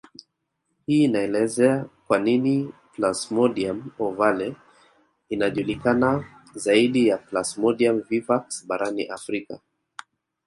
Hii inaeleza kwa nini Plasmodium ovale anajulikana zaidi ya Plasmodium vivax barani Afrika